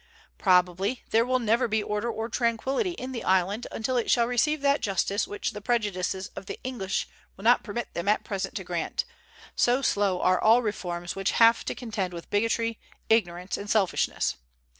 Probably there never will be order or tranquillity in the island until it shall receive that justice which the prejudices of the English will not permit them at present to grant, so slow are all reforms which have to contend with bigotry, ignorance, and selfishness.